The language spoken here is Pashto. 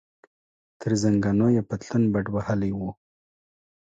تر زنګنو یې پتلون بډ وهلی و.